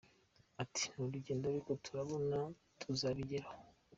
Ati “Ni urugendo ariko turabona tuzabigeraho.